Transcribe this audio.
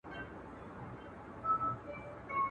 بې خبره له جهانه.